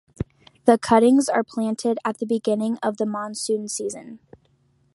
The cuttings are planted at the beginning of the monsoon season.